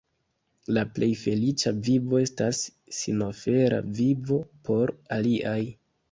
La plej feliĉa vivo estas sinofera vivo por aliaj.